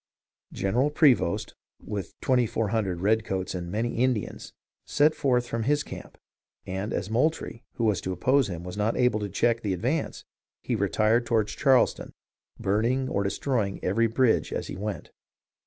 General Prevost, with 2400 redcoats and many Indians, set forth from his camp, and as Moultrie, who was to oppose him, was not able to check the advance, he retired toward Charleston, burning or destroying every bridge as he went.